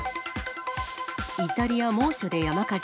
イタリア猛暑で山火事。